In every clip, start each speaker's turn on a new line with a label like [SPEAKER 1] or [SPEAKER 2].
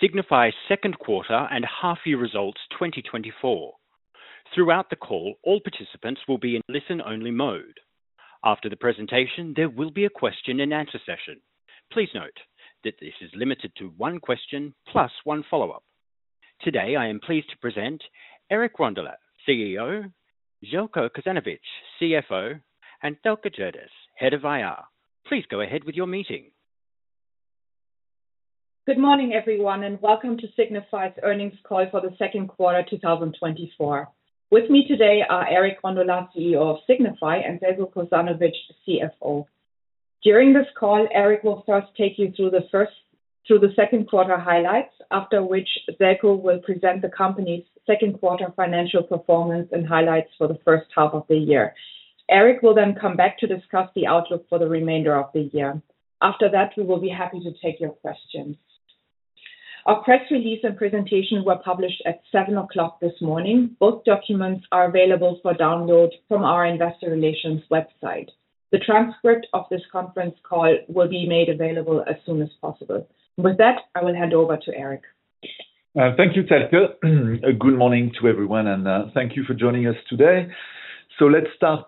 [SPEAKER 1] Signify second quarter and half-year results 2024. Throughout the call, all participants will be in listen-only mode. After the presentation, there will be a question-and-answer session. Please note that this is limited to one question plus one follow-up. Today, I am pleased to present Eric Rondolat, CEO; Željko Kosanović, CFO; and Thelke Gerdes, Head of IR. Please go ahead with your meeting. Good morning, everyone, and welcome to Signify's earnings call for the second quarter 2024. With me today are Eric Rondolat, CEO of Signify, and Željko Kosanović, CFO. During this call, Eric will first take you through the second quarter highlights, after which Željko will present the company's second quarter financial performance and highlights for the first half of the year. Eric will then come back to discuss the outlook for the remainder of the year. After that, we will be happy to take your questions. Our press release and presentation were published at 7:00 A.M. this morning. Both documents are available for download from our investor relations website. The transcript of this conference call will be made available as soon as possible. With that, I will hand over to Eric.
[SPEAKER 2] Thank you, Željko. Good morning to everyone, and thank you for joining us today. So let's start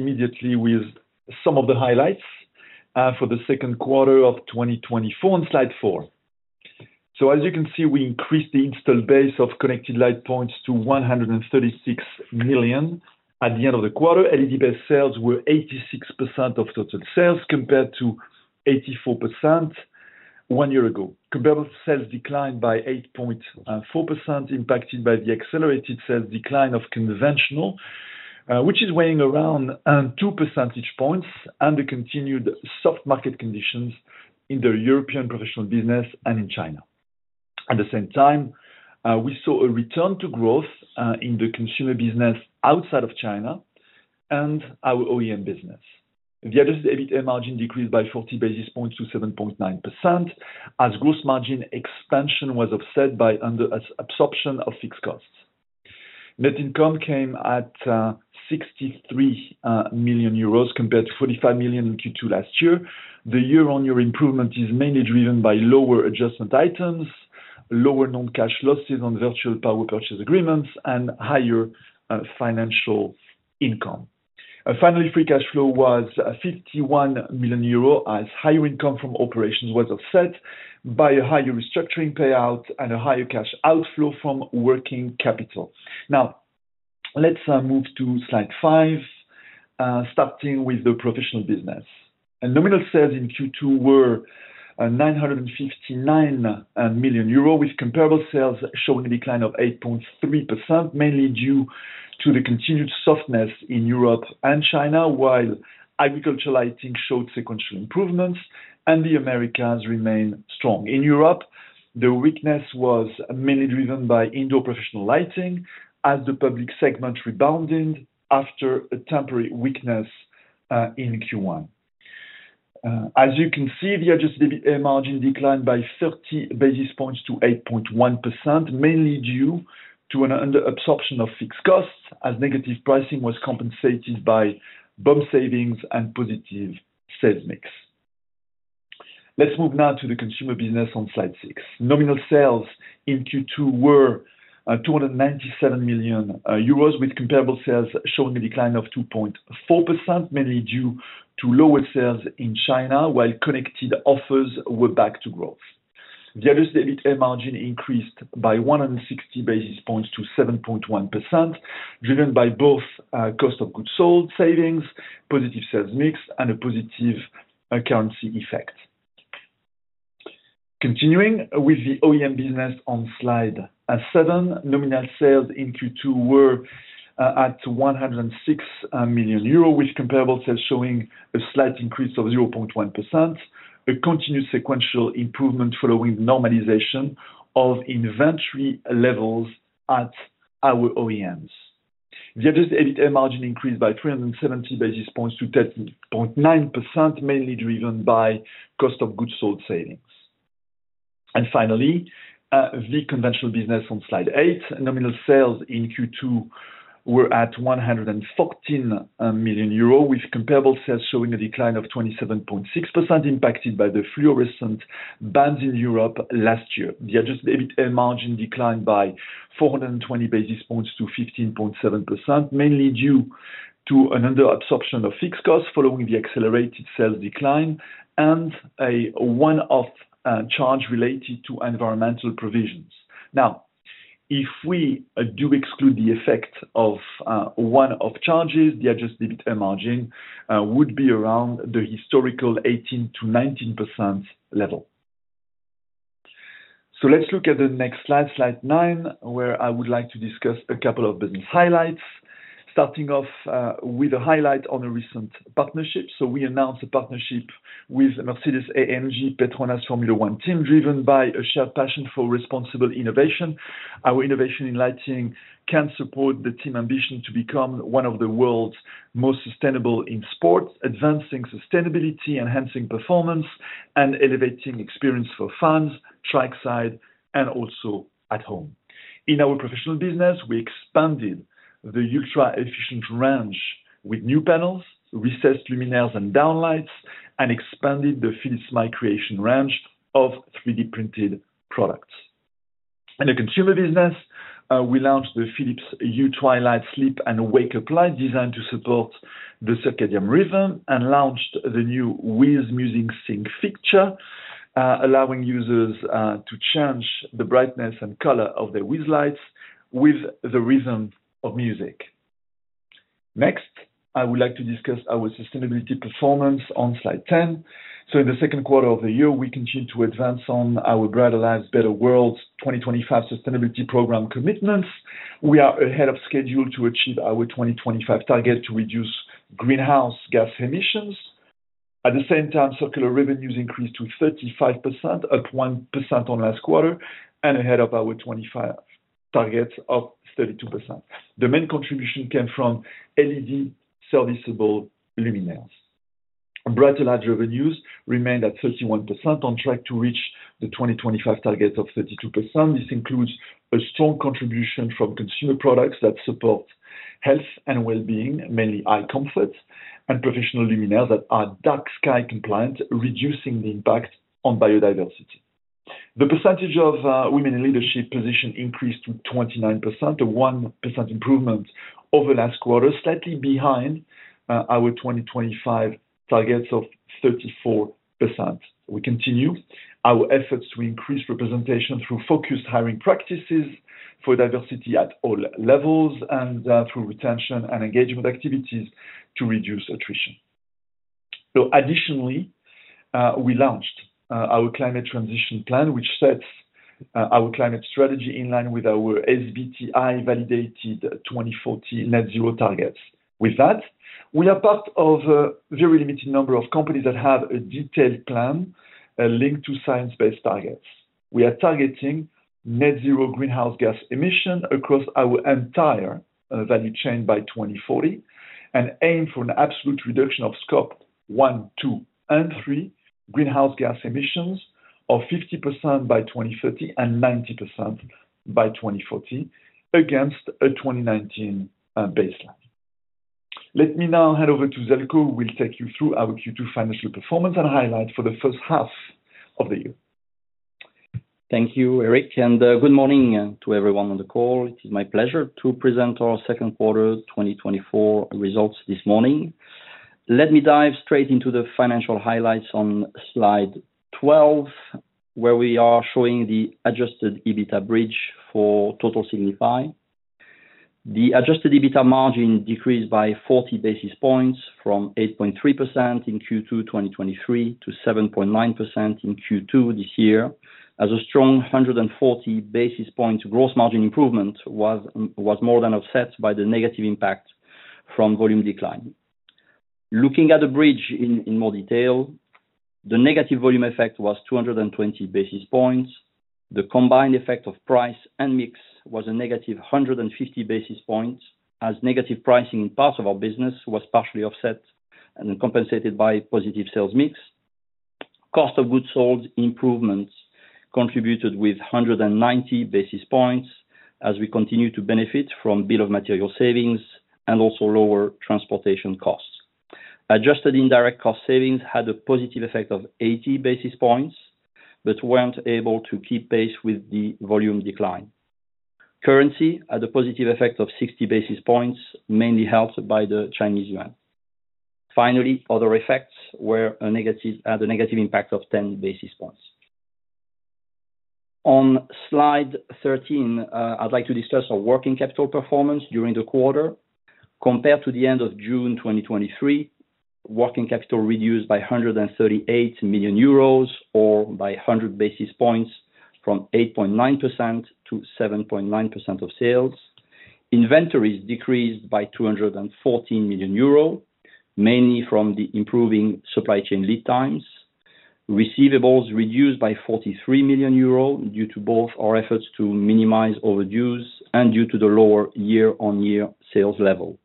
[SPEAKER 2] immediately with some of the highlights for the second quarter of 2024 on slide four. So, as you can see, we increased the installed base of connected light points to 136 million at the end of the quarter. LED-based sales were 86% of total sales compared to 84% one year ago. Comparable sales declined by 8.4%, impacted by the accelerated sales decline of conventional, which is weighing around two percentage points, and the continued soft market conditions in the European professional business and in China. At the same time, we saw a return to growth in the consumer business outside of China and our OEM business. The adjusted EBITDA margin decreased by 40 basis points to 7.9% as gross margin expansion was offset by absorption of fixed costs. Net income came at 63 million euros compared to 45 million in Q2 last year. The year-on-year improvement is mainly driven by lower adjustment items, lower non-cash losses on virtual power purchase agreements, and higher financial income. Finally, free cash flow was 51 million euro as higher income from operations was offset by a higher restructuring payout and a higher cash outflow from working capital. Now, let's move to slide five, starting with the professional business. Nominal sales in Q2 were 959 million euro, with comparable sales showing a decline of 8.3%, mainly due to the continued softness in Europe and China, while agricultural lighting showed sequential improvements, and the Americas remain strong. In Europe, the weakness was mainly driven by indoor professional lighting as the public segment rebounded after a temporary weakness in Q1. As you can see, the adjusted EBITDA margin declined by 30 basis points to 8.1%, mainly due to an absorption of fixed costs as negative pricing was compensated by BOM savings and positive sales mix. Let's move now to the consumer business on slide six. Nominal sales in Q2 were 297 million euros, with comparable sales showing a decline of 2.4%, mainly due to lower sales in China, while connected offers were back to growth. The adjusted EBITDA margin increased by 160 basis points to 7.1%, driven by both cost of goods sold savings, positive sales mix, and a positive currency effect. Continuing with the OEM business on slide seven, nominal sales in Q2 were at 106 million euros, with comparable sales showing a slight increase of 0.1%, a continued sequential improvement following normalization of inventory levels at our OEMs. The adjusted EBITDA margin increased by 370 basis points to 30.9%, mainly driven by cost of goods sold savings. And finally, the conventional business on slide eight, nominal sales in Q2 were at 114 million euros, with comparable sales showing a decline of 27.6%, impacted by the fluorescent bans in Europe last year. The adjusted EBITDA margin declined by 420 basis points to 15.7%, mainly due to an under-absorption of fixed costs following the accelerated sales decline and a one-off charge related to environmental provisions. Now, if we do exclude the effect of one-off charges, the adjusted EBITDA margin would be around the historical 18%-19% level. So let's look at the next slide, slide nine, where I would like to discuss a couple of business highlights, starting off with a highlight on a recent partnership. So we announced a partnership with Mercedes-AMG Petronas Formula One Team, driven by a shared passion for responsible innovation. Our innovation in lighting can support the team's ambition to become one of the world's most sustainable in sports, advancing sustainability, enhancing performance, and elevating experience for fans, trackside, and also at home. In our professional business, we expanded the Ultra Efficient range with new panels, recessed luminaires, and downlights, and expanded the Philips MyCreation range of 3D-printed products. In the consumer business, we launched the Philips Hue Twilight Sleep and Wake-Up Light, designed to support the circadian rhythm, and launched the new WiZ Music Sync feature, allowing users to change the brightness and color of their WiZ lights with the rhythm of music. Next, I would like to discuss our sustainability performance on slide 10. So in the second quarter of the year, we continue to advance on our Brighter Lives, Better World 2025 sustainability program commitments. We are ahead of schedule to achieve our 2025 target to reduce greenhouse gas emissions. At the same time, circular revenues increased to 35%, up 1% on last quarter, and ahead of our 2025 target of 32%. The main contribution came from LED serviceable luminaires. Brighter Lives revenues remained at 31% on track to reach the 2025 target of 32%. This includes a strong contribution from consumer products that support health and well-being, mainly EyeComfort, and professional luminaires that are Dark Sky compliant, reducing the impact on biodiversity. The percentage of women in leadership positions increased to 29%, a 1% improvement over last quarter, slightly behind our 2025 targets of 34%. We continue our efforts to increase representation through focused hiring practices for diversity at all levels and through retention and engagement activities to reduce attrition. Additionally, we launched our climate transition plan, which sets our climate strategy in line with our SBTi-validated 2040 net zero targets. With that, we are part of a very limited number of companies that have a detailed plan linked to science-based targets. We are targeting net zero greenhouse gas emission across our entire value chain by 2040 and aim for an absolute reduction of Scope one, two, and three greenhouse gas emissions of 50% by 2030 and 90% by 2040 against a 2019 baseline. Let me now hand over to Željko, who will take you through our Q2 financial performance and highlight for the first half of the year.
[SPEAKER 1] Thank you, Eric, and good morning to everyone on the call. It is my pleasure to present our second quarter 2024 results this morning. Let me dive straight into the financial highlights on slide 12, where we are showing the adjusted EBITDA bridge for Total Signify. The adjusted EBITDA margin decreased by 40 basis points from 8.3% in Q2 2023 to 7.9% in Q2 this year, as a strong 140 basis points gross margin improvement was more than offset by the negative impact from volume decline. Looking at the bridge in more detail, the negative volume effect was 220 basis points. The combined effect of price and mix was a negative 150 basis points, as negative pricing in parts of our business was partially offset and compensated by positive sales mix. Cost of goods sold improvements contributed with 190 basis points, as we continue to benefit from bill of material savings and also lower transportation costs. Adjusted indirect cost savings had a positive effect of 80 basis points but weren't able to keep pace with the volume decline. Currency had a positive effect of 60 basis points, mainly helped by the Chinese yuan. Finally, other effects had a negative impact of 10 basis points. On slide 13, I'd like to discuss our working capital performance during the quarter. Compared to the end of June 2023, working capital reduced by 138 million euros, or by 100 basis points, from 8.9%-7.9% of sales. Inventories decreased by 214 million euros, mainly from the improving supply chain lead times. Receivables reduced by 43 million euros due to both our efforts to minimize overdues and due to the lower year-on-year sales level.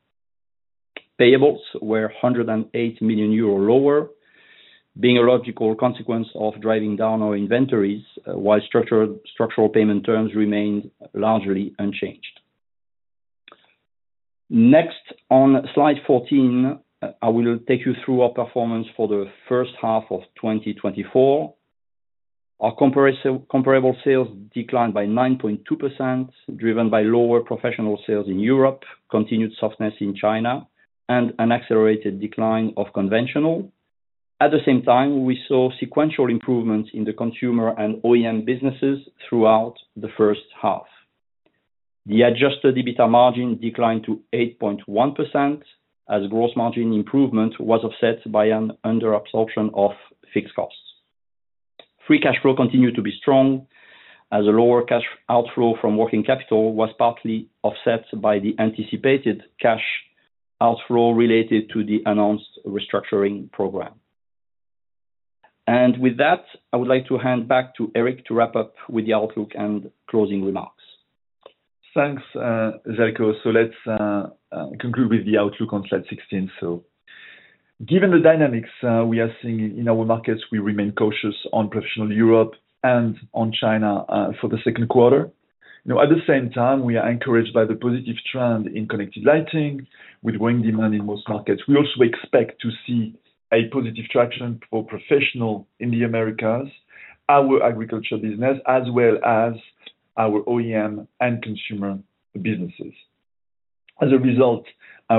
[SPEAKER 1] Payables were 108 million euros lower, being a logical consequence of driving down our inventories, while structural payment terms remained largely unchanged. Next, on slide 14, I will take you through our performance for the first half of 2024. Our comparable sales declined by 9.2%, driven by lower professional sales in Europe, continued softness in China, and an accelerated decline of conventional. At the same time, we saw sequential improvements in the consumer and OEM businesses throughout the first half. The adjusted EBITDA margin declined to 8.1%, as gross margin improvement was offset by an under-absorption of fixed costs. Free cash flow continued to be strong, as a lower cash outflow from working capital was partly offset by the anticipated cash outflow related to the announced restructuring program. With that, I would like to hand back to Eric to wrap up with the outlook and closing remarks.
[SPEAKER 2] Thanks, Željko. So let's conclude with the outlook on slide 16. So given the dynamics we are seeing in our markets, we remain cautious on professional Europe and on China for the second quarter. At the same time, we are encouraged by the positive trend in connected lighting with growing demand in most markets. We also expect to see a positive traction for professional in the Americas, our agriculture business, as well as our OEM and consumer businesses. As a result,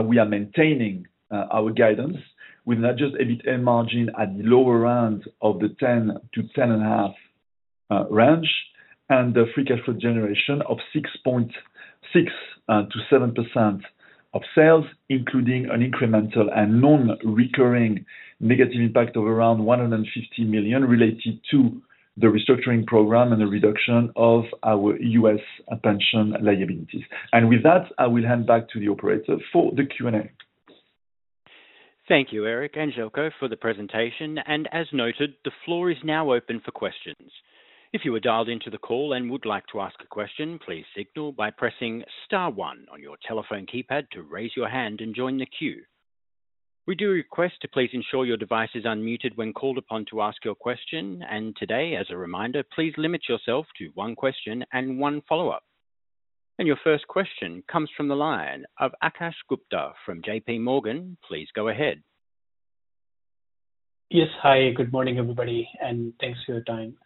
[SPEAKER 2] we are maintaining our guidance with an adjusted EBITDA margin at the lower end of the 10%-10.5% range, and the free cash flow generation of 6.6%-7% of sales, including an incremental and non-recurring negative impact of around 150 million related to the restructuring program and the reduction of our US pension liabilities. And with that, I will hand back to the operator for the Q&A.
[SPEAKER 1] Thank you, Eric and Željko, for the presentation. And as noted, the floor is now open for questions. If you are dialed into the call and would like to ask a question, please signal by pressing star one on your telephone keypad to raise your hand and join the queue. We do request to please ensure your device is unmuted when called upon to ask your question. And today, as a reminder, please limit yourself to one question and one follow-up. And your first question comes from the line of Akash Gupta from J.P. Morgan. Please go ahead.
[SPEAKER 3] Yes, hi, good morning, everybody, and thanks for your time.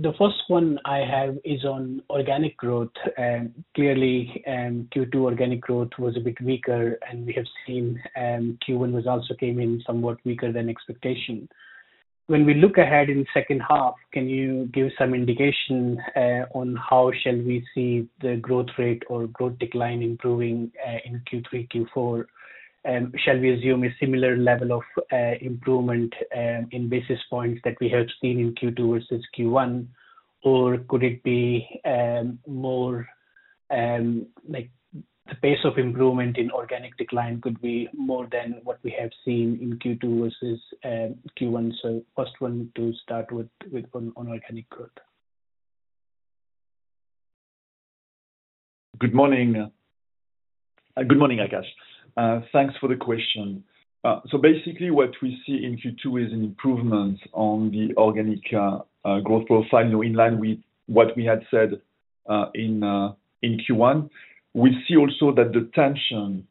[SPEAKER 3] The first one I have is on organic growth. Clearly, Q2 organic growth was a bit weaker, and we have seen Q1 results also came in somewhat weaker than expectation. When we look ahead in the second half, can you give some indication on how shall we see the growth rate or growth decline improving in Q3, Q4? Shall we assume a similar level of improvement in basis points that we have seen in Q2 versus Q1, or could it be more like the pace of improvement in organic decline could be more than what we have seen in Q2 versus Q1? First, I want to start with on organic growth.
[SPEAKER 2] Good morning. Good morning, Akash. Thanks for the question. So basically, what we see in Q2 is an improvement on the organic growth profile in line with what we had said in Q1. We see also that the tension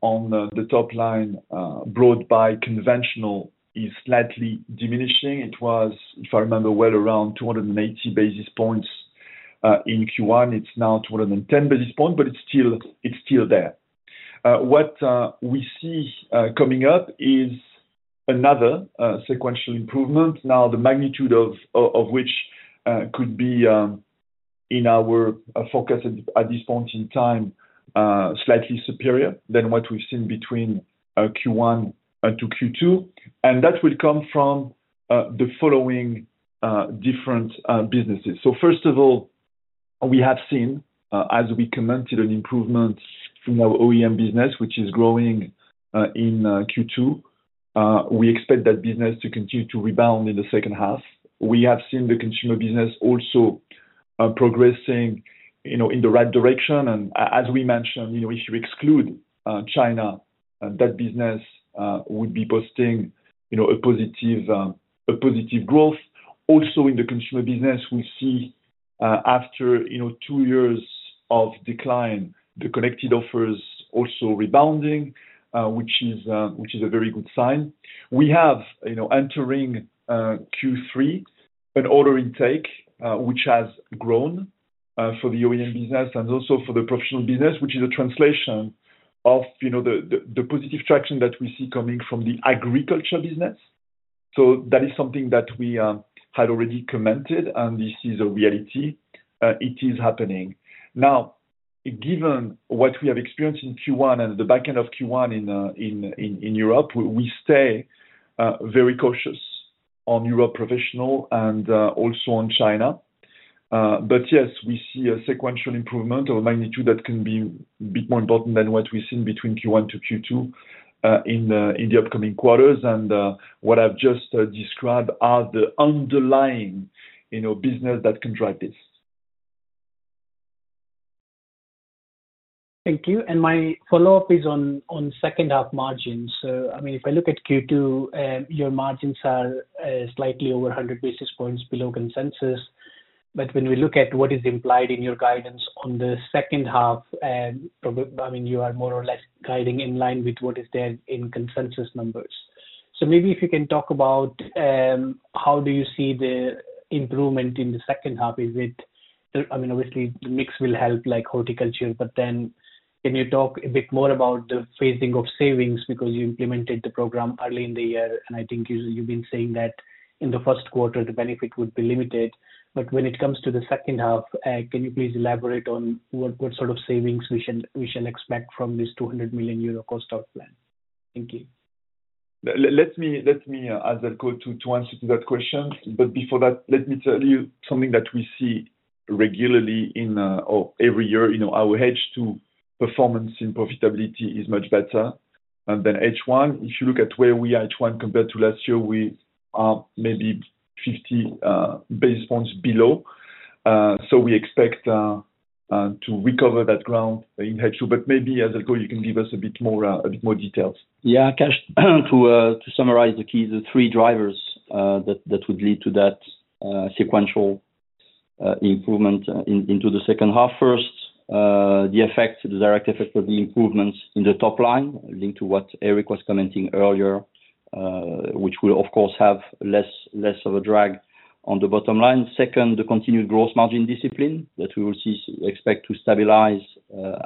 [SPEAKER 2] on the top line brought by conventional is slightly diminishing. It was, if I remember well, around 280 basis points in Q1. It's now 210 basis points, but it's still there. What we see coming up is another sequential improvement, now the magnitude of which could be in our focus at this point in time slightly superior than what we've seen between Q1 and Q2. And that will come from the following different businesses. So first of all, we have seen, as we commented, an improvement in our OEM business, which is growing in Q2. We expect that business to continue to rebound in the second half. We have seen the consumer business also progressing in the right direction. As we mentioned, if you exclude China, that business would be posting a positive growth. Also, in the consumer business, we see after two years of decline, the connected offers also rebounding, which is a very good sign. We have entering Q3 an order intake which has grown for the OEM business and also for the professional business, which is a translation of the positive traction that we see coming from the agriculture business. That is something that we had already commented, and this is a reality. It is happening. Now, given what we have experienced in Q1 and the back end of Q1 in Europe, we stay very cautious on Europe professional and also on China. But yes, we see a sequential improvement of a magnitude that can be a bit more important than what we've seen between Q1 to Q2 in the upcoming quarters. And what I've just described are the underlying business that can drive this.
[SPEAKER 3] Thank you. And my follow-up is on second-half margins. So I mean, if I look at Q2, your margins are slightly over 100 basis points below consensus. But when we look at what is implied in your guidance on the second half, I mean, you are more or less guiding in line with what is there in consensus numbers. So maybe if you can talk about how do you see the improvement in the second half? I mean, obviously, the mix will help like horticulture, but then can you talk a bit more about the phasing of savings because you implemented the program early in the year? And I think you've been saying that in the first quarter, the benefit would be limited. But when it comes to the second half, can you please elaborate on what sort of savings we shall expect from this 200 million euro cost outline? Thank you.
[SPEAKER 2] Let me answer that question. But before that, let me tell you something that we see regularly in every year. Our H2 performance in profitability is much better than H1. If you look at where we are at H1 compared to last year, we are maybe 50 basis points below. So we expect to recover that ground in H2. But maybe, Željko, you can give us a bit more details.
[SPEAKER 1] Yeah, Akash, to summarize the keys, the three drivers that would lead to that sequential improvement into the second half. First, the direct effect of the improvements in the top line linked to what Eric was commenting earlier, which will, of course, have less of a drag on the bottom line. Second, the continued gross margin discipline that we will expect to stabilize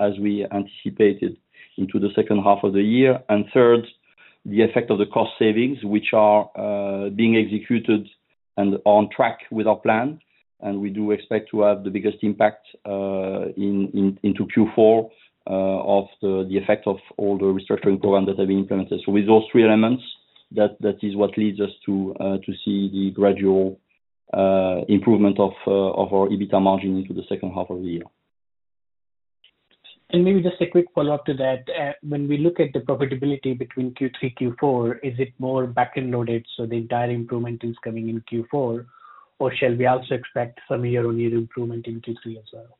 [SPEAKER 1] as we anticipated into the second half of the year. And third, the effect of the cost savings, which are being executed and on track with our plan. And we do expect to have the biggest impact into Q4 of the effect of all the restructuring programs that have been implemented. So with those three elements, that is what leads us to see the gradual improvement of our EBITDA margin into the second half of the year.
[SPEAKER 3] Maybe just a quick follow-up to that. When we look at the profitability between Q3 and Q4, is it more back-end loaded? The entire improvement is coming in Q4, or shall we also expect some year-on-year improvement in Q3 as well?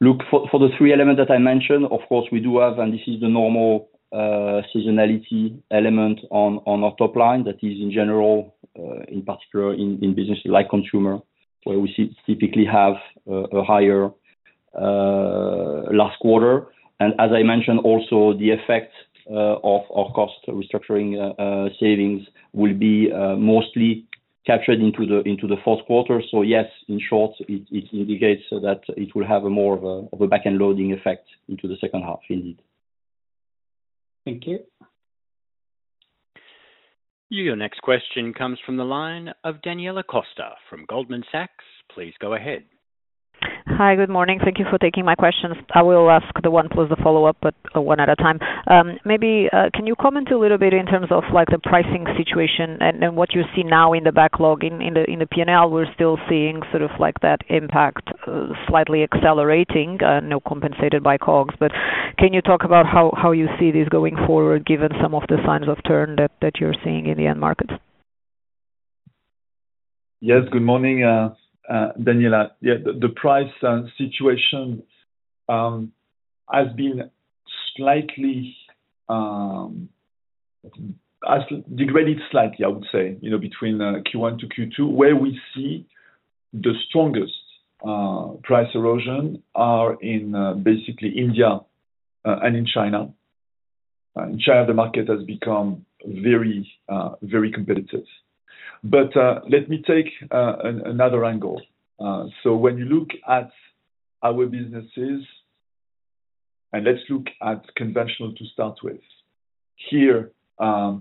[SPEAKER 2] Look, for the three elements that I mentioned, of course we do have, and this is the normal seasonality element on our top line that is in general, in particular in businesses like consumer, where we typically have a higher last quarter. And as I mentioned, also the effect of our cost restructuring savings will be mostly captured into the fourth quarter. So yes, in short, it indicates that it will have more of a back-end loading effect into the second half, indeed.
[SPEAKER 3] Thank you.
[SPEAKER 1] Your next question comes from the line of Daniela Costa from Goldman Sachs. Please go ahead.
[SPEAKER 4] Hi, good morning. Thank you for taking my questions. I will ask the one plus the follow-up, but one at a time. Maybe can you comment a little bit in terms of the pricing situation and what you see now in the backlog? In the P&L, we're still seeing sort of that impact slightly accelerating, compensated by COGS. But can you talk about how you see this going forward, given some of the signs of turn that you're seeing in the end markets?
[SPEAKER 2] Yes, good morning, Daniela. Yeah, the price situation has been slightly degraded, slightly, I would say, between Q1 to Q2, where we see the strongest price erosion are in basically India and in China. In China, the market has become very, very competitive. But let me take another angle. So when you look at our businesses, and let's look at conventional to start with, here we are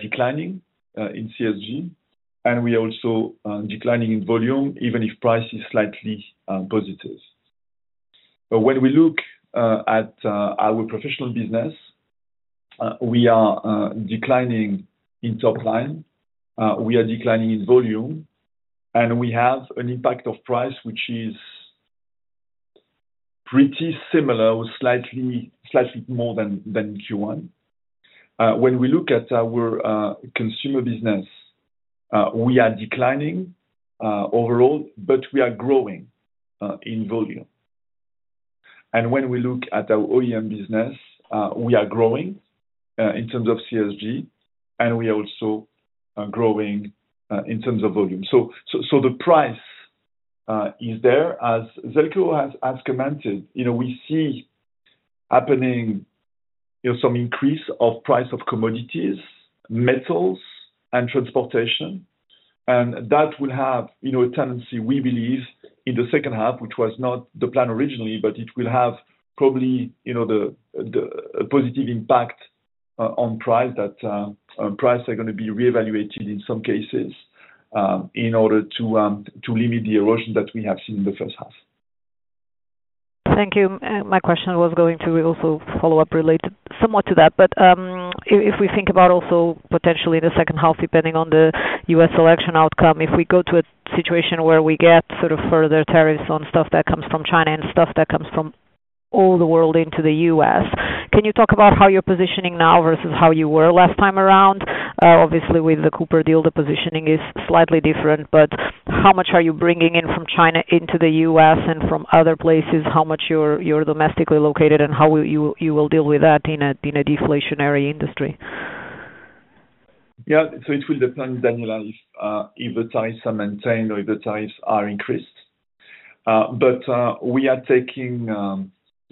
[SPEAKER 2] declining in CSG, and we are also declining in volume, even if price is slightly positive. But when we look at our professional business, we are declining in top line. We are declining in volume, and we have an impact of price which is pretty similar or slightly more than Q1. When we look at our consumer business, we are declining overall, but we are growing in volume. When we look at our OEM business, we are growing in terms of CSG, and we are also growing in terms of volume. So the price is there, as Željko has commented. We see happening some increase of price of commodities, metals, and transportation. That will have a tendency, we believe, in the second half, which was not the plan originally, but it will have probably the positive impact on price that price are going to be reevaluated in some cases in order to limit the erosion that we have seen in the first half.
[SPEAKER 4] Thank you. My question was going to be also follow-up related somewhat to that. But if we think about also potentially the second half, depending on the U.S. election outcome, if we go to a situation where we get sort of further tariffs on stuff that comes from China and stuff that comes from all the world into the U.S., can you talk about how you're positioning now versus how you were last time around? Obviously, with the Cooper deal, the positioning is slightly different. But how much are you bringing in from China into the U.S. and from other places? How much you're domestically located and how you will deal with that in a deflationary industry?
[SPEAKER 2] Yeah, so it will depend, Daniela, if the tariffs are maintained or if the tariffs are increased. But we are taking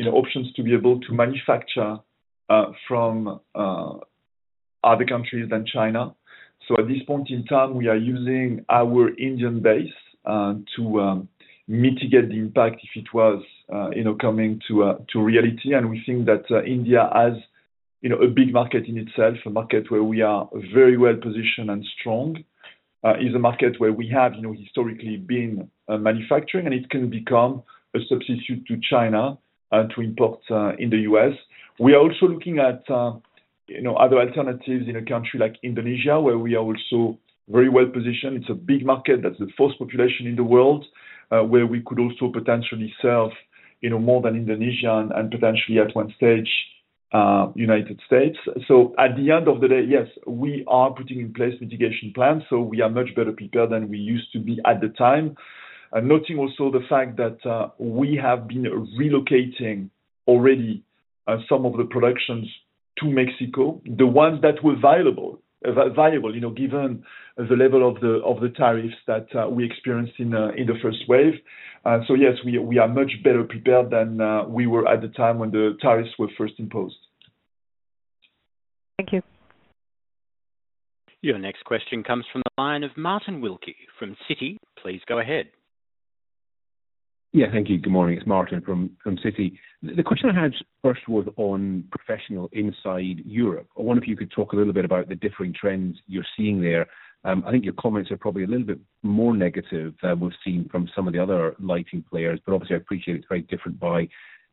[SPEAKER 2] options to be able to manufacture from other countries than China. So at this point in time, we are using our Indian base to mitigate the impact if it was coming to reality. And we think that India has a big market in itself, a market where we are very well positioned and strong. It's a market where we have historically been manufacturing, and it can become a substitute to China to import in the U.S. We are also looking at other alternatives in a country like Indonesia, where we are also very well positioned. It's a big market. That's the fourth population in the world, where we could also potentially serve more than Indonesia and potentially, at one stage, the United States. At the end of the day, yes, we are putting in place mitigation plans. We are much better prepared than we used to be at the time. Noting also the fact that we have been relocating already some of the productions to Mexico, the ones that were viable, given the level of the tariffs that we experienced in the first wave. Yes, we are much better prepared than we were at the time when the tariffs were first imposed.
[SPEAKER 4] Thank you.
[SPEAKER 1] Your next question comes from the line of Martin Wilkie from Citi. Please go ahead.
[SPEAKER 5] Yeah, thank you. Good morning. It's Martin from Citi. The question I had first was on professional inside Europe. I wonder if you could talk a little bit about the differing trends you're seeing there. I think your comments are probably a little bit more negative than we've seen from some of the other lighting players. But obviously, I appreciate it's very different by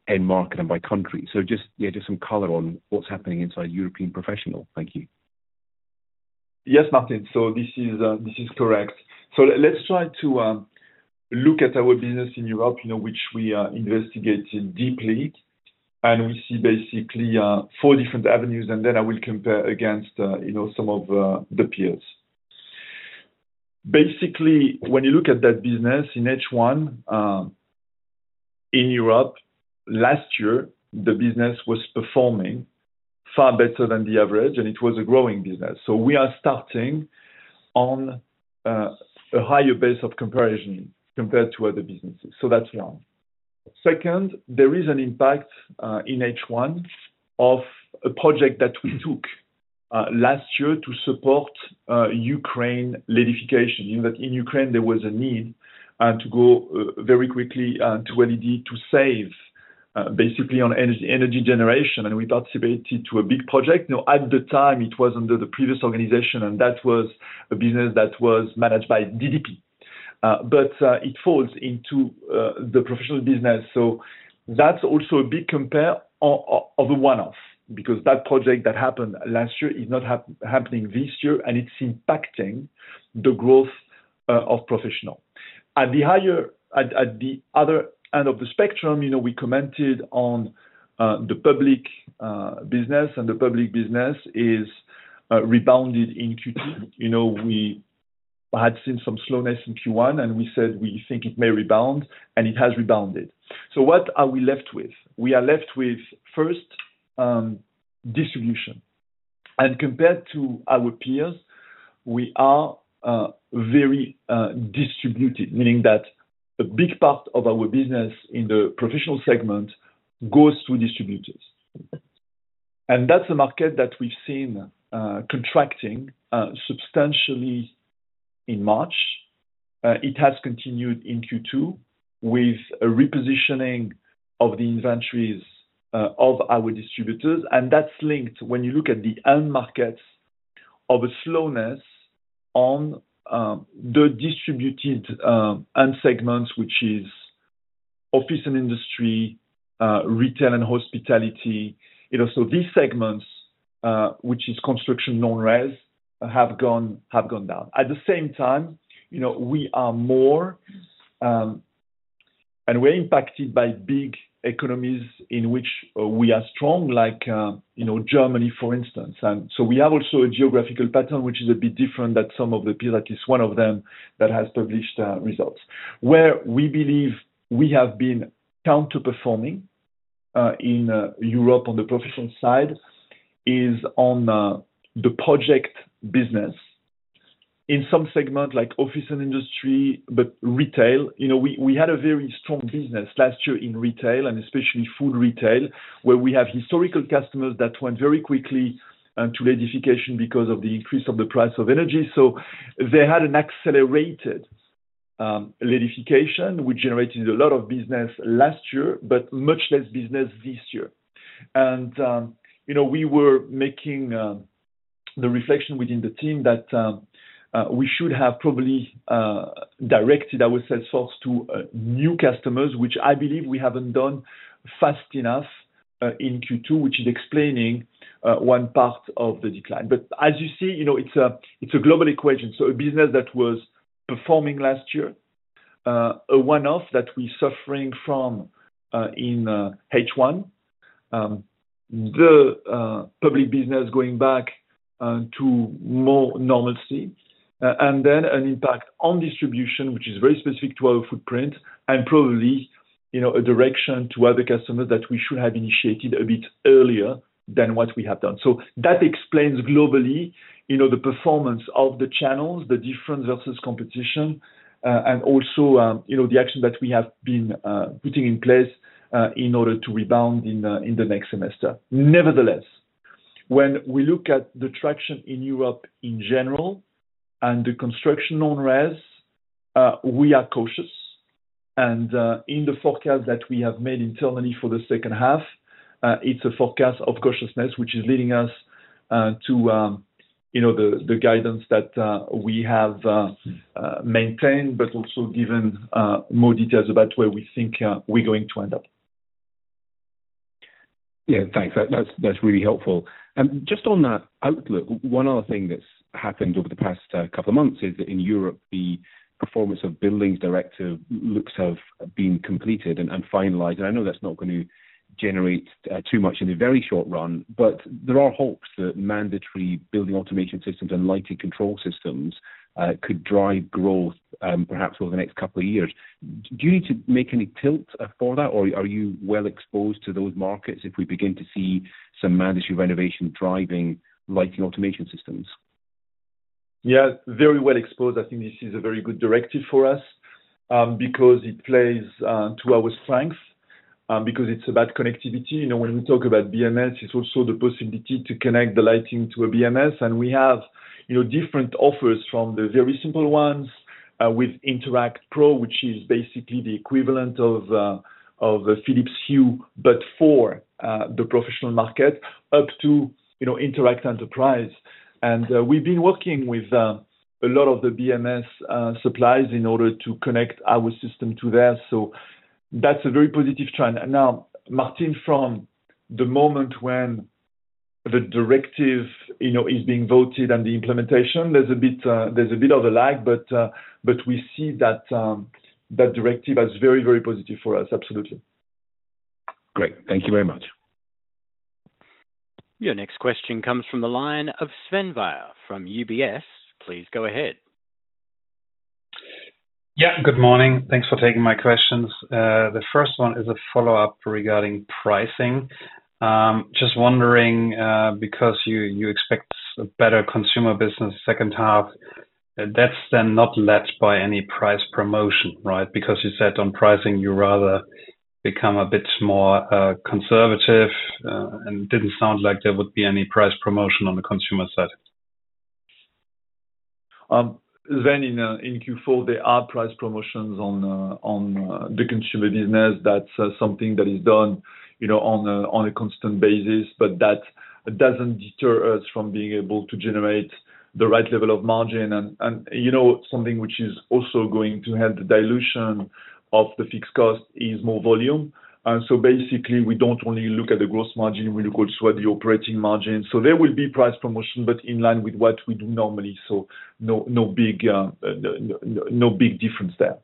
[SPEAKER 5] end market and by country. So just some color on what's happening inside European professional. Thank you.
[SPEAKER 2] Yes, Martin. So this is correct. So let's try to look at our business in Europe, which we investigated deeply, and we see basically four different avenues. And then I will compare against some of the peers. Basically, when you look at that business in H1 in Europe, last year, the business was performing far better than the average, and it was a growing business. So we are starting on a higher base of comparison compared to other businesses. So that's one. Second, there is an impact in H1 of a project that we took last year to support Ukraine LEDification. In Ukraine, there was a need to go very quickly to LED to save basically on energy generation. And we participated in a big project. At the time, it was under the previous organization, and that was a business that was managed by DP. But it falls into the professional business. So that's also a big component of a one-off because that project that happened last year is not happening this year, and it's impacting the growth of professional. At the other end of the spectrum, we commented on the public business, and the public business is rebounded in Q2. We had seen some slowness in Q1, and we said we think it may rebound, and it has rebounded. So what are we left with? We are left with first distribution. And compared to our peers, we are very distributed, meaning that a big part of our business in the professional segment goes to distributors. And that's a market that we've seen contracting substantially in March. It has continued in Q2 with a repositioning of the inventories of our distributors. That's linked, when you look at the end markets, to a slowness in the distributed end segments, which is office and industry, retail and hospitality. So these segments, which is construction non-res, have gone down. At the same time, we are more and we're impacted by big economies in which we are strong, like Germany, for instance. So we have also a geographical pattern, which is a bit different than some of the peers, like this one of them that has published results. Where we believe we have been underperforming in Europe on the professional side is on the project business in some segments, like office and industry, but retail. We had a very strong business last year in retail, and especially food retail, where we have historical customers that went very quickly to LEDification because of the increase of the price of energy. So they had an accelerated LEDification, which generated a lot of business last year, but much less business this year. And we were making the reflection within the team that we should have probably directed our sales force to new customers, which I believe we haven't done fast enough in Q2, which is explaining one part of the decline. But as you see, it's a global equation. So a business that was performing last year, a one-off that we're suffering from in H1, the public business going back to more normalcy, and then an impact on distribution, which is very specific to our footprint, and probably a direction to other customers that we should have initiated a bit earlier than what we have done. So that explains globally the performance of the channels, the difference versus competition, and also the action that we have been putting in place in order to rebound in the next semester. Nevertheless, when we look at the traction in Europe in general and the construction non-res, we are cautious. In the forecast that we have made internally for the second half, it's a forecast of cautiousness, which is leading us to the guidance that we have maintained, but also given more details about where we think we're going to end up.
[SPEAKER 5] Yeah, thanks. That's really helpful. And just on that outlook, one other thing that's happened over the past couple of months is that in Europe, the Energy Performance of Buildings Directive has been completed and finalized. And I know that's not going to generate too much in the very short run, but there are hopes that mandatory building automation systems and lighting control systems could drive growth perhaps over the next couple of years. Do you need to make any tilt for that, or are you well exposed to those markets if we begin to see some mandatory renovation driving lighting automation systems?
[SPEAKER 2] Yeah, very well exposed. I think this is a very good directive for us because it plays to our strength because it's about connectivity. When we talk about BMS, it's also the possibility to connect the lighting to a BMS. And we have different offers from the very simple ones with Interact Pro, which is basically the equivalent of Philips Hue, but for the professional market, up to Interact Enterprise. And we've been working with a lot of the BMS suppliers in order to connect our system to there. So that's a very positive trend. Now, Martin, from the moment when the directive is being voted and the implementation, there's a bit of a lag, but we see that directive as very, very positive for us. Absolutely.
[SPEAKER 5] Great. Thank you very much.
[SPEAKER 1] Your next question comes from the line of Sven Weier from UBS. Please go ahead.
[SPEAKER 6] Yeah, good morning. Thanks for taking my questions. The first one is a follow-up regarding pricing. Just wondering, because you expect a better consumer business second half, that's then not led by any price promotion, right? Because you said on pricing, you rather become a bit more conservative, and it didn't sound like there would be any price promotion on the consumer side.
[SPEAKER 2] Then in Q4, there are price promotions on the consumer business. That's something that is done on a constant basis, but that doesn't deter us from being able to generate the right level of margin. And something which is also going to help the dilution of the fixed cost is more volume. So basically, we don't only look at the gross margin. We look also at the operating margin. So there will be price promotion, but in line with what we do normally. So no big difference there.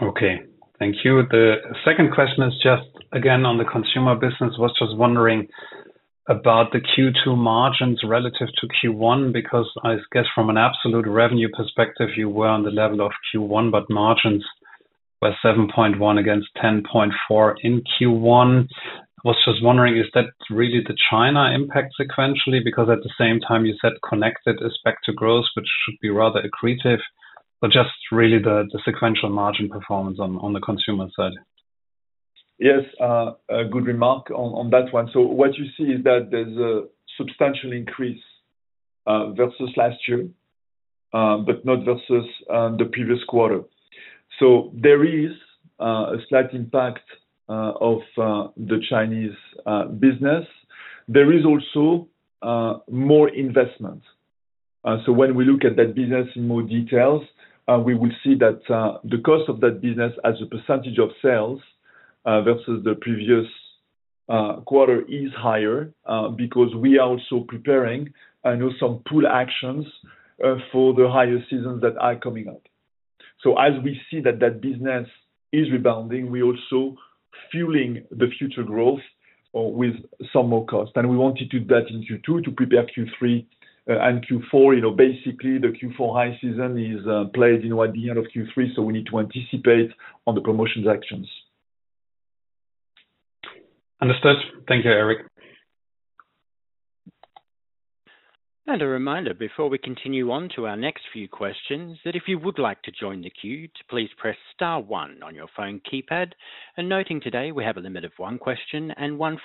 [SPEAKER 6] Okay. Thank you. The second question is just, again, on the consumer business. I was just wondering about the Q2 margins relative to Q1 because I guess from an absolute revenue perspective, you were on the level of Q1, but margins were 7.1 against 10.4 in Q1. I was just wondering, is that really the China impact sequentially? Because at the same time, you said connected is back to growth, which should be rather accretive. But just really the sequential margin performance on the consumer side.
[SPEAKER 2] Yes, good remark on that one. So what you see is that there's a substantial increase versus last year, but not versus the previous quarter. So there is a slight impact of the Chinese business. There is also more investment. So when we look at that business in more details, we will see that the cost of that business as a percentage of sales versus the previous quarter is higher because we are also preparing some pull actions for the higher seasons that are coming up. So as we see that that business is rebounding, we're also fueling the future growth with some more cost. And we wanted to do that in Q2 to prepare Q3 and Q4. Basically, the Q4 high season is played in the end of Q3, so we need to anticipate on the promotions actions.
[SPEAKER 6] Understood. Thank you, Eric.
[SPEAKER 1] A reminder before we continue on to our next few questions that if you would like to join the queue, please press star one on your phone keypad. Noting today we have a limit of one question and one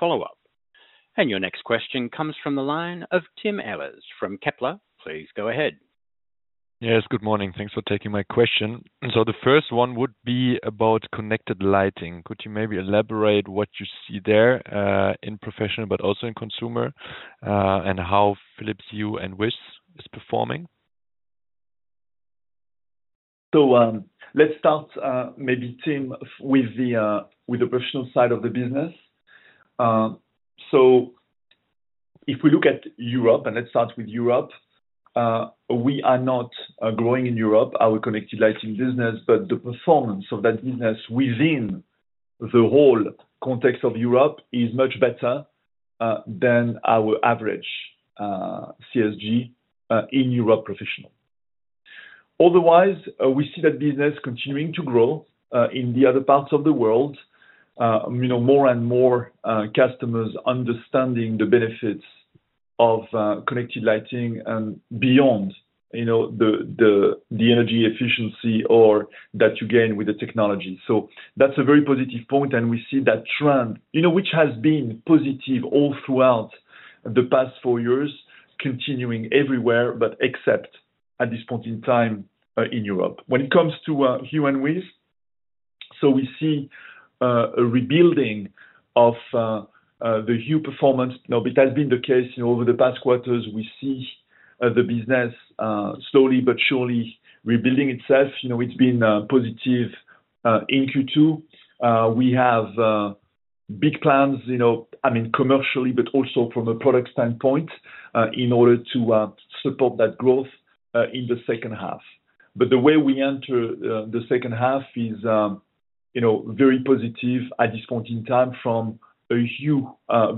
[SPEAKER 1] follow-up. Your next question comes from the line of Tim Ehlers from Kepler. Please go ahead.
[SPEAKER 7] Yes, good morning. Thanks for taking my question. So the first one would be about connected lighting. Could you maybe elaborate what you see there in professional, but also in consumer, and how Philips Hue and WiZ is performing?
[SPEAKER 2] So let's start maybe, Tim, with the professional side of the business. So if we look at Europe, and let's start with Europe, we are not growing in Europe, our connected lighting business, but the performance of that business within the whole context of Europe is much better than our average CSG in Europe professional. Otherwise, we see that business continuing to grow in the other parts of the world. More and more customers understanding the benefits of connected lighting and beyond the energy efficiency or that you gain with the technology. So that's a very positive point, and we see that trend, which has been positive all throughout the past four years, continuing everywhere, but except at this point in time in Europe. When it comes to Hue and WiZ, so we see a rebuilding of the Hue performance. It has been the case over the past quarters. We see the business slowly, but surely rebuilding itself. It's been positive in Q2. We have big plans, I mean, commercially, but also from a product standpoint in order to support that growth in the second half. But the way we enter the second half is very positive at this point in time from a Hue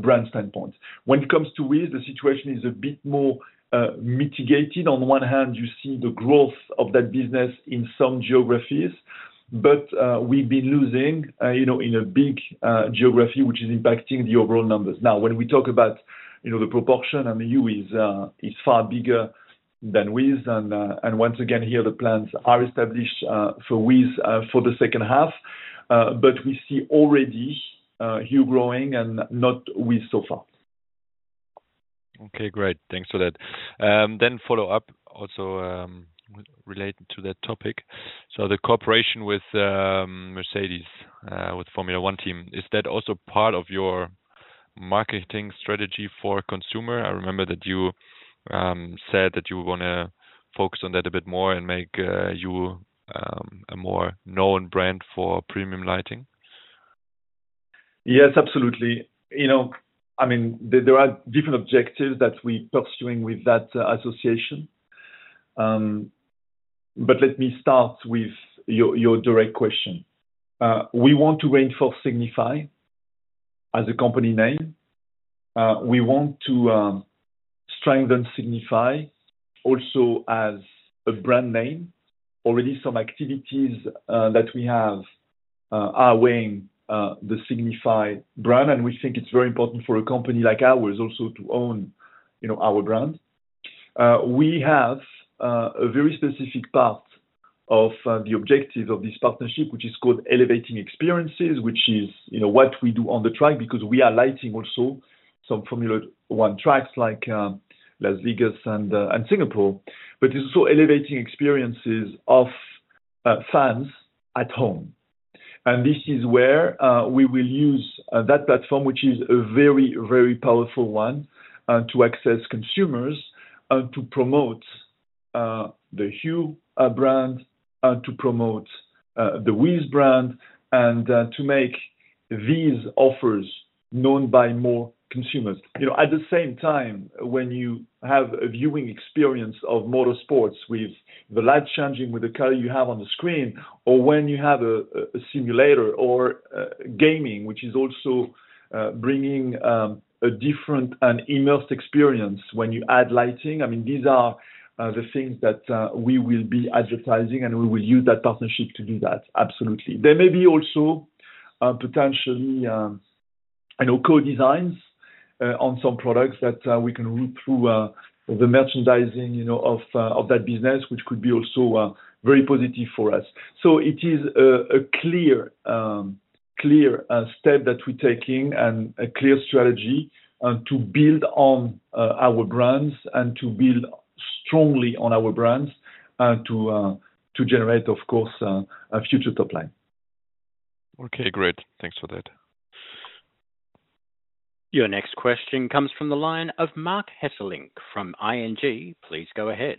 [SPEAKER 2] brand standpoint. When it comes to WiZ, the situation is a bit more mitigated. On one hand, you see the growth of that business in some geographies, but we've been losing in a big geography, which is impacting the overall numbers. Now, when we talk about the proportion, I mean, Hue is far bigger than WiZ. And once again, here, the plans are established for WiZ for the second half, but we see already Hue growing and not WiZ so far.
[SPEAKER 7] Okay, great. Thanks for that. Then follow-up also related to that topic. So the cooperation with Mercedes, with Formula One team, is that also part of your marketing strategy for consumer? I remember that you said that you want to focus on that a bit more and make you a more known brand for premium lighting.
[SPEAKER 2] Yes, absolutely. I mean, there are different objectives that we are pursuing with that association. But let me start with your direct question. We want to reinforce Signify as a company name. We want to strengthen Signify also as a brand name. Already, some activities that we have are weighing the Signify brand, and we think it's very important for a company like ours also to own our brand. We have a very specific part of the objective of this partnership, which is called elevating experiences, which is what we do on the track because we are lighting also some Formula One tracks like Las Vegas and Singapore. But it's also elevating experiences of fans at home. And this is where we will use that platform, which is a very, very powerful one to access consumers and to promote the Hue brand, to promote the WiZ brand, and to make these offers known by more consumers. At the same time, when you have a viewing experience of motorsports with the light changing with the color you have on the screen, or when you have a simulator or gaming, which is also bringing a different and immersive experience when you add lighting, I mean, these are the things that we will be advertising, and we will use that partnership to do that. Absolutely. There may be also potentially co-designs on some products that we can route through the merchandising of that business, which could be also very positive for us. It is a clear step that we're taking and a clear strategy to build on our brands and to build strongly on our brands to generate, of course, a future top line.
[SPEAKER 7] Okay, great. Thanks for that.
[SPEAKER 1] Your next question comes from the line of Mark Hesselink from ING. Please go ahead.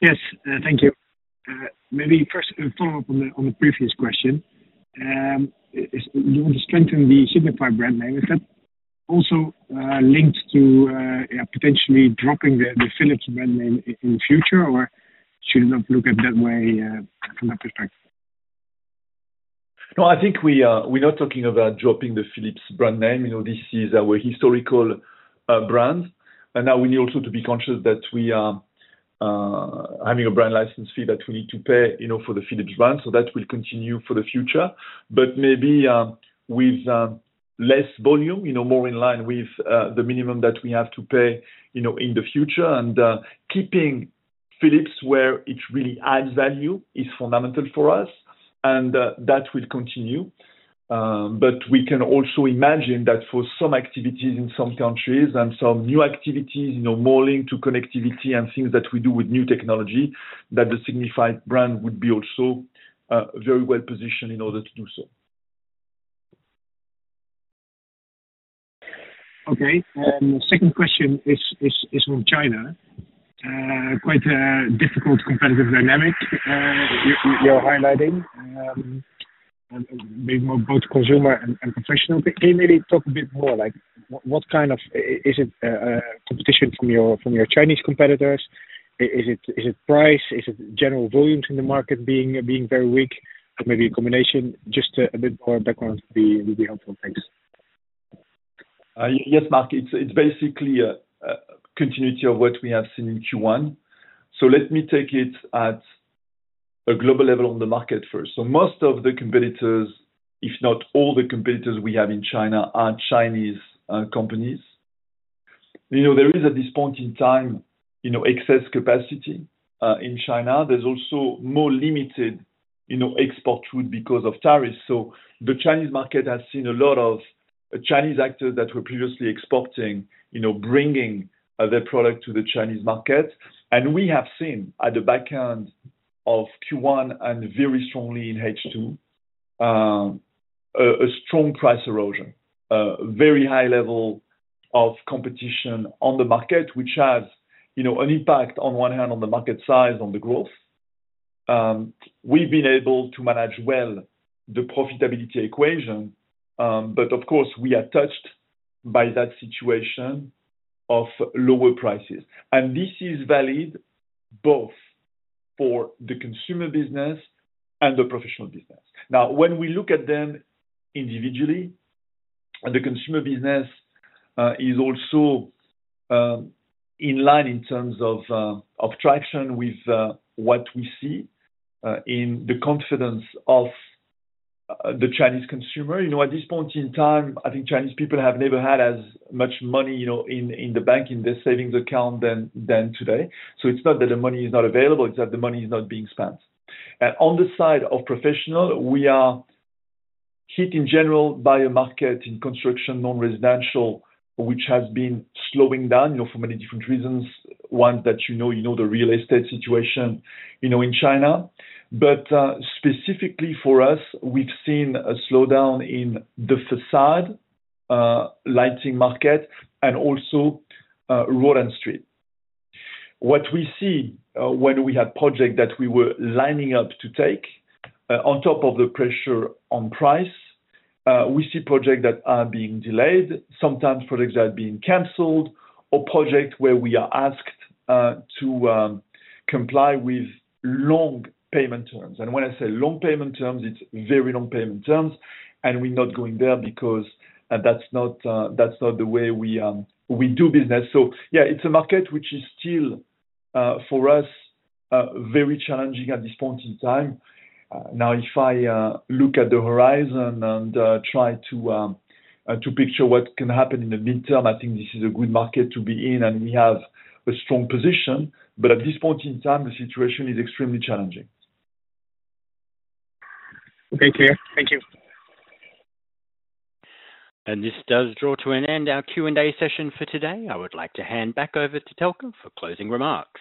[SPEAKER 8] Yes, thank you. Maybe first, a follow-up on the previous question. You want to strengthen the Signify brand name. Is that also linked to potentially dropping the Philips brand name in the future, or should it not look at that way from that perspective?
[SPEAKER 2] No, I think we're not talking about dropping the Philips brand name. This is our historical brand. And now we need also to be conscious that we are having a brand license fee that we need to pay for the Philips brand. So that will continue for the future, but maybe with less volume, more in line with the minimum that we have to pay in the future. And keeping Philips where it really adds value is fundamental for us, and that will continue. But we can also imagine that for some activities in some countries and some new activities, more linked to connectivity and things that we do with new technology, that the Signify brand would be also very well positioned in order to do so.
[SPEAKER 8] Okay. The second question is from China. Quite a difficult competitive dynamic you're highlighting, maybe more both consumer and professional. Can you maybe talk a bit more? What kind of is it competition from your Chinese competitors? Is it price? Is it general volumes in the market being very weak? Maybe a combination. Just a bit more background would be helpful. Thanks.
[SPEAKER 2] Yes, Mark. It's basically a continuity of what we have seen in Q1. So let me take it at a global level on the market first. So most of the competitors, if not all the competitors we have in China, are Chinese companies. There is, at this point in time, excess capacity in China. There's also more limited export route because of tariffs. So the Chinese market has seen a lot of Chinese actors that were previously exporting bringing their product to the Chinese market. And we have seen at the back end of Q1 and very strongly in H2, a strong price erosion, very high level of competition on the market, which has an impact on one hand on the market size, on the growth. We've been able to manage well the profitability equation, but of course, we are touched by that situation of lower prices. This is valid both for the consumer business and the professional business. Now, when we look at them individually, the consumer business is also in line in terms of traction with what we see in the confidence of the Chinese consumer. At this point in time, I think Chinese people have never had as much money in the bank, in their savings account than today. So it's not that the money is not available. It's that the money is not being spent. And on the side of professional, we are hit in general by a market in construction, non-residential, which has been slowing down for many different reasons. One that you know the real estate situation in China. But specifically for us, we've seen a slowdown in the facade lighting market and also road and street. What we see when we had projects that we were lining up to take on top of the pressure on price, we see projects that are being delayed, sometimes projects that are being cancelled, or projects where we are asked to comply with long payment terms. And when I say long payment terms, it's very long payment terms. And we're not going there because that's not the way we do business. So yeah, it's a market which is still for us very challenging at this point in time. Now, if I look at the horizon and try to picture what can happen in the midterm, I think this is a good market to be in, and we have a strong position. But at this point in time, the situation is extremely challenging.
[SPEAKER 8] Thank you.
[SPEAKER 9] This does draw to an end our Q&A session for today. I would like to hand back over to Thelke for closing remarks.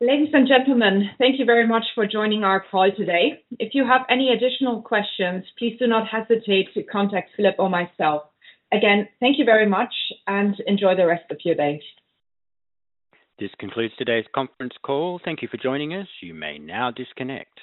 [SPEAKER 1] Ladies and gentlemen, thank you very much for joining our call today. If you have any additional questions, please do not hesitate to contact Philip or myself. Again, thank you very much, and enjoy the rest of your day. This concludes today's conference call. Thank you for joining us. You may now disconnect.